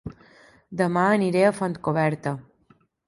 Dema aniré a Fontcoberta